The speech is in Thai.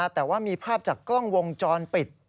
แต่ว่ามีภาพจากกล้องวงจรปิด